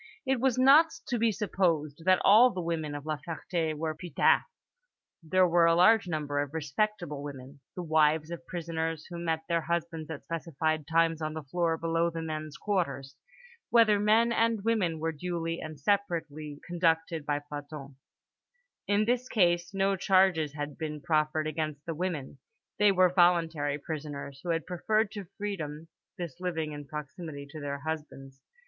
It was not to be supposed that all the women of La Ferté were putains: there were a large number of respectable women, the wives of prisoners, who met their husbands at specified times on the floor below the men's quarters, whither man and woman were duly and separately conducted by plantons. In this case no charges had been preferred against the women; they were voluntary prisoners, who had preferred to freedom this living in proximity to their husbands.